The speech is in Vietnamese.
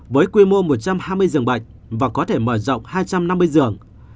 với quy mô một trăm hai mươi giường bệnh và có thể mở rộng hai trăm năm mươi giường